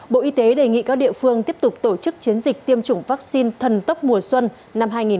bộ y tế đề nghị các địa phương tiếp tục tổ chức chiến dịch tiêm chủng vaccine thần tốc mùa xuân